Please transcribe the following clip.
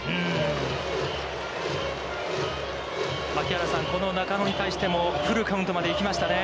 槙原さん、この中野に対してもフルカウントまで行きましたね。